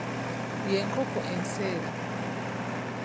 Ye nkoko enseera.